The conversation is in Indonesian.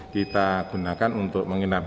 kita gunakan untuk menginap